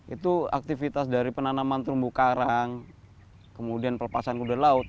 itu aktivitas dari penanaman terumbu karang kemudian pelepasan kuda laut